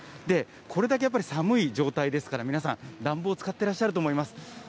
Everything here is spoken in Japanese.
これだけやっぱり寒い状態ですから、皆さん、暖房使っていらっしゃると思います。